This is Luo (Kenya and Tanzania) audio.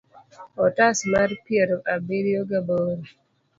otas mar piero abiriyo ga boro